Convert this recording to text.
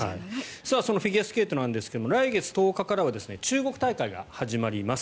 そのフィギュアスケートですが来月１０日からは中国大会が始まります。